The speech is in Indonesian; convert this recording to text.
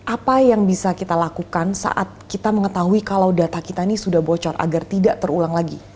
apa yang bisa kita lakukan saat kita mengetahui kalau data kita ini sudah bocor agar tidak terulang lagi